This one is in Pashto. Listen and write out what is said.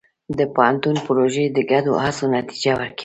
د پوهنتون پروژې د ګډو هڅو نتیجه ورکوي.